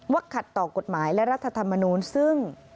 ขัดต่อกฎหมายและรัฐธรรมนูลซึ่ง